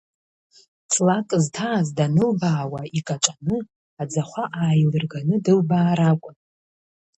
Ҵлак зҭааз данылбаауа икаҿаны, аӡахәа ааилырганы дылбаар акәын.